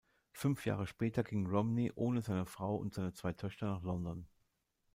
Fünf Jahre später ging Romney ohne seine Frau und seine zwei Töchter nach London.